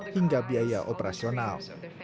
dan perusahaan operasional